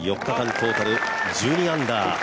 トータル１２アンダー。